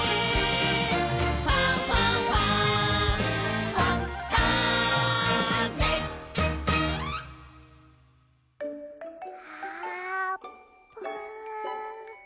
「ファンファンファン」あぷん。